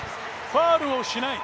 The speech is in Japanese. ファウルをしない。